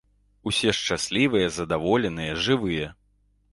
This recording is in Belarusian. Усе шчаслівыя, задаволеныя, жывыя.